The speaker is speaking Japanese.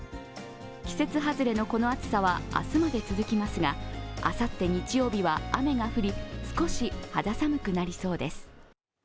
季節外れのこの暑さは明日まで続きますがあさって日曜日は雨が降り、少し肌寒くなりそうです。